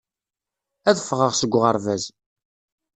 Ad ffɣeɣ seg uɣerbaz.